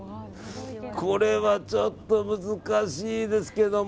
これはちょっと難しいですけども。